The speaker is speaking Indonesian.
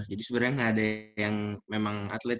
jadi sebenernya gak ada yang memang atlet